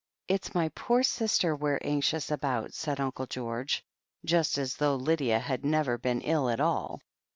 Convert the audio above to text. "It's my poor sister we are anxious about," said Uncle George, just as though Lydia had never been ill at all.